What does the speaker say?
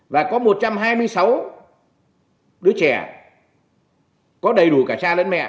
và có một trăm hai mươi sáu đứa trẻ có đầy đủ cả cha lẫn mẹ